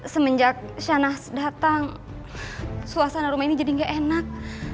semenjak sanas datang suasana rumah ini jadi gak enak